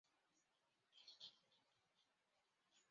长萼连蕊茶是山茶科山茶属的植物。